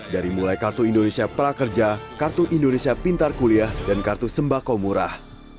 dari mulai kartu indonesia prakerja kartu indonesia pintar kuliah dan kartu sembako murah